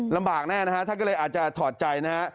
ลำบากแน่ท่านก็เลยอาจจะถอดใจ